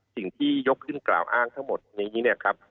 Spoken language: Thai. สิ่งที่ยกขึ้นกล่าวอ้างทั้งหมดนี้เนี่ยครับ